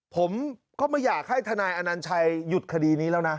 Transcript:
ผมก็ไม่อยากให้ทนายอนัญชัยหยุดคดีนี้แล้วนะ